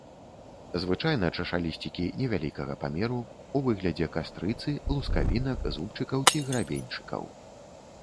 Звычайна чашалісцікі невялікага памеру, у выглядзе кастрыцы, лускавінак, зубчыкаў ці грабеньчыкаў.